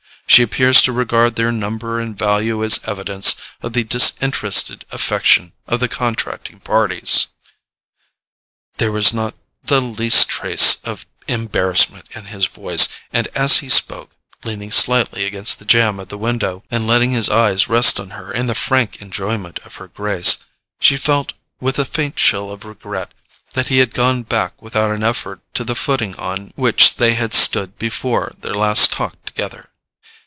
She appears to regard their number and value as evidence of the disinterested affection of the contracting parties." There was not the least trace of embarrassment in his voice, and as he spoke, leaning slightly against the jamb of the window, and letting his eyes rest on her in the frank enjoyment of her grace, she felt with a faint chill of regret that he had gone back without an effort to the footing on which they had stood before their last talk together.